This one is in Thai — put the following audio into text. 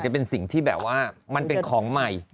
จะเป็นสิ่งที่แบบว่ามันเป็นของใหม่